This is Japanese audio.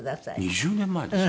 ２０年前ですか！